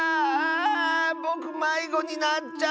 ぼくまいごになっちゃった！